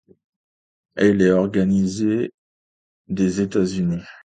Elle est originaire des États-Unis.